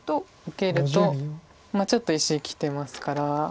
受けるとちょっと石きてますから。